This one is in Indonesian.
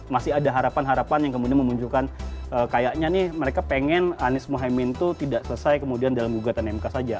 masih ada harapan harapan yang kemudian memunculkan kayaknya nih mereka pengen anies muhyemmin itu tidak selesai kemudian dalam gugatan mk saja